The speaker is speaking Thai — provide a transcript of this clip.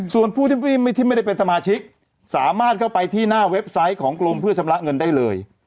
ส่วนผู้ที่ไม่ได้เป็นสมาชิกสามารถเข้าไปที่หน้าเว็บไซต์ของกรมเพื่อชำระเงินได้เลย